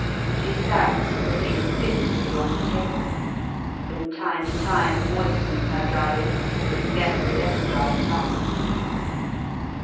She sat looking fixedly on the table, from time to time moistening her dry lips with scarcely less dry tongue.